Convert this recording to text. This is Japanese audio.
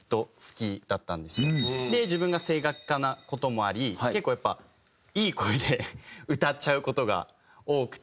で自分が声楽科な事もあり結構やっぱいい声で歌っちゃう事が多くて。